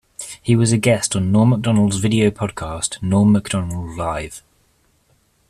He was a guest on Norm Macdonald's video podcast, "Norm Macdonald Live".